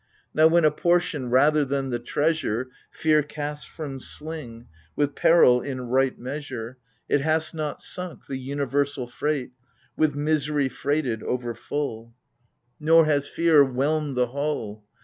Now, when a portion, rather than the treasure, Fear casts from sling, with peril in right measure, It has not sunk — the universal freight, (With misery freighted over full) G 82 AGAMEMNON. Nor has fear whelmed the hull.